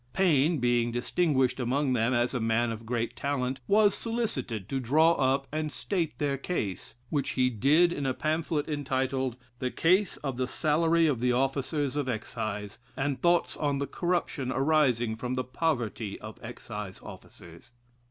Paine being distinguished among them as a man of great talent, was solicited to draw up and state their case, which he did in a pamphlet entitled "The Case of the Salary of the Officers of Excise, and Thoughts on the Corruption arising from the Poverty of Excise Officers."